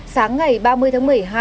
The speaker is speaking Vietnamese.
sáng ngày ba mươi tháng một mươi hai